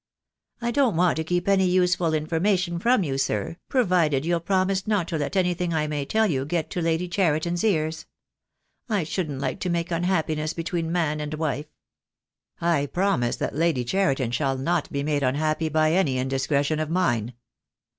"I don't want to keep any useful information from you, sir, provided you'll promise not to let anything I may tell you get to Lady Cheriton's ears. I shouldn't like to make unhappiness between man and wife." "I promise that Lady Cheriton shall not be made un happy by any indiscretion of mine."